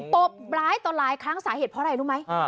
บร้ายต่อหลายครั้งสาเหตุเพราะอะไรรู้ไหม